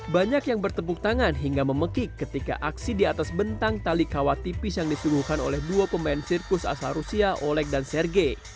banyak yang bertepuk tangan hingga memekik ketika aksi di atas bentang tali kawat tipis yang disuguhkan oleh dua pemain sirkus asal rusia oleg dan serge